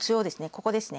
ここですね。